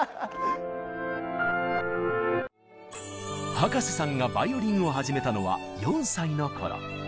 葉加瀬さんがバイオリンを始めたのは４歳の頃。